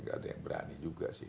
gak ada yang berani juga sih